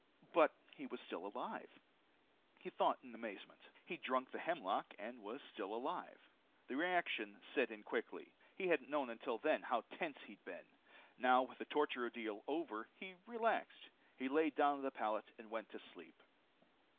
But he was still alive, he thought in amazement. He'd drunk the hemlock and was still alive. The reaction set in quickly. He hadn't known until then how tense he'd been. Now with the torture ordeal over, he relaxed. He laid down on the pallet and went to sleep.